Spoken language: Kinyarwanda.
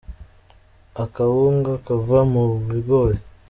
akawunga kava mubigori